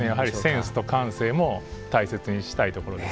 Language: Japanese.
センスと感性も大切にしたいところです。